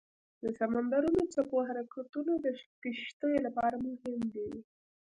د سمندرونو څپو حرکتونه د کشتیو لپاره مهم دي.